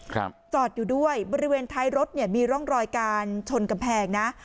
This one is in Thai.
จอดอยู่ด้วยบริเวณท้ายรถเนี่ยมีร่องรอยการชนกำแพงนะ